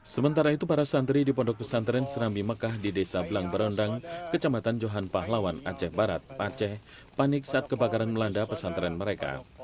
sementara itu para santri di pondok pesantren serambi mekah di desa blangberondang kecamatan johan pahlawan aceh barat aceh panik saat kebakaran melanda pesantren mereka